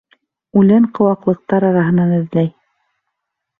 Үлән, ҡыуаҡлыҡтар араһынан эҙләй.